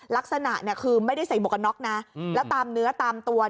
ลักษณะคือไม่ได้ใส่หมวกกันน็อกนะแล้วตามเนื้อตามตัว